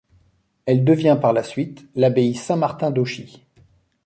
Elle devient par la suite l'abbaye Saint-Martin-d'Auchy.